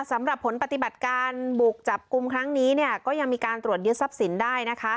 สำหรับผลปฏิบัติการบุกจับกลุ่มครั้งนี้เนี่ยก็ยังมีการตรวจยึดทรัพย์สินได้นะคะ